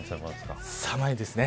寒いですね。